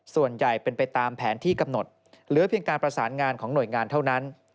ส่วนใหญ่เป็นไปตามแผนที่กำหนดเหลือเพียงการประสานงานของหน่วยงานเท่านั้น